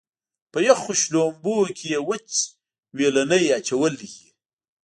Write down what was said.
په یخو شړومبو کې یې وچ وېلنی اچولی وي.